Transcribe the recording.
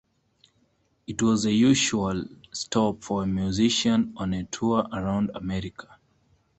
It was a usual stop for a musician on a tour around America.